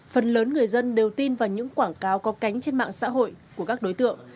phần lớn người dân đều tin vào những quảng cáo có cánh trên mạng xã hội của các đối tượng